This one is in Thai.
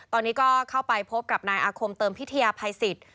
ตอนนี้ก็เข้าไปพบกับนายอาคมเติมพิทยาภัยสิทธิ์